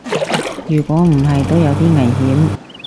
如果唔係都有啲危險